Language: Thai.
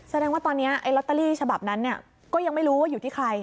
แสดงว่าตอนนี้ลอตเตอรี่ฉบับนั้นก็ยังไม่รู้ว่าอยู่ที่ใคร